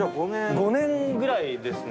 ５年ぐらいですね。